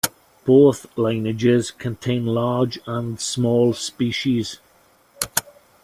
Both lineages contain large and small species.